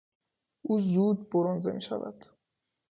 او زود برنزه میشود.